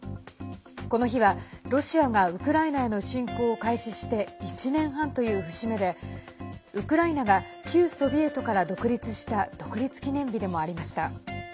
この日は、ロシアがウクライナへの侵攻を開始して１年半という節目でウクライナが旧ソビエトから独立した独立記念日でもありました。